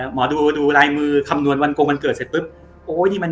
หมอดูดูลายมือคำนวณวัลกรงวันเกิดเสร็จปุ๊บ